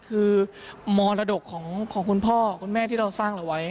คือมรดกของคุณพ่อคุณแม่ที่เราสร้างเราไว้